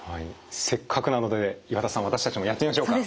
せっかくなので岩田さん私たちもやってみましょうか。